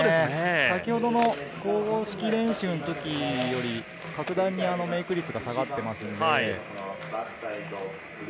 先ほどの公式練習の時より格段にメイク率が下がっています。